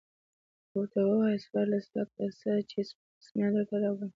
او ورته ووايه څورلس لکه څه ،چې څورلس ملېارده درته راوړم.